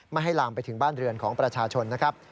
ไม่ให้ลามไปถึงบ้านเรือนของประชาชนนะครับ